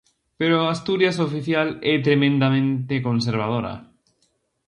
Pero a Asturias oficial é tremendamente conservadora.